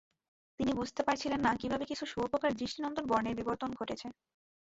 তিনি বুঝতে পারছিলেন না কিভাবে কিছু শুঁয়োপোকার দৃষ্টিনন্দন বর্ণের বিবর্তন ঘটেছে।